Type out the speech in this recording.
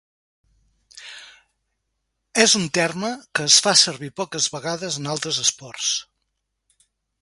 És un terme que es fa servir poques vegades en altres esports.